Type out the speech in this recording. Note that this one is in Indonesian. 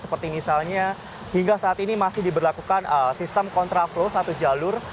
seperti misalnya hingga saat ini masih diberlakukan sistem kontraflow satu jalur